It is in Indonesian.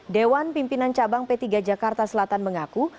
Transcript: dewan pimpinan cabang p tiga jakarta selatan mengaku